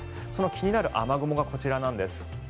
気になる雨雲がこちらなんです。